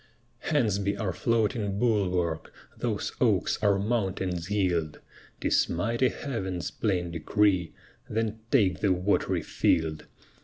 Hence be our floating bulwark Those oaks our mountains yield; 'Tis mighty Heaven's plain decree Then take the wat'ry field!